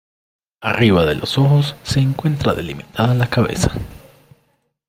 Arriba de los ojos se encuentra delimitada la cabeza.